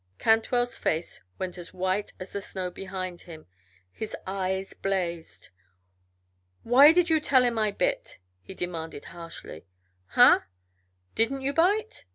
Cantwell's face went as white as the snow behind him, his eyes blazed. "Why did you tell him I bit?" he demanded harshly. "Hunh! Didn't you bite?